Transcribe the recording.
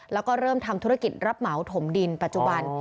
แล้วก็เริ่มทำธุรกิจรับเหมาถมดินปัจจุบัน